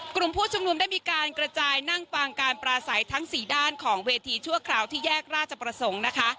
กลุ่มผู้ชุมนุมได้มีการกระจายนั่งฟังการปราศัยทั้งสี่ด้านของเวทีชั่วคราวที่แยกราชประสงค์นะคะ